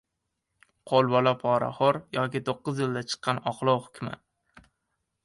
«Qo‘lbola poraxo‘r». Yoki to‘qqiz yilda chiqqan oqlov hukmi